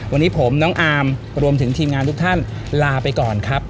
วันนี้ผมน้องอาร์มรวมถึงทีมงานทุกท่านลาไปก่อนครับ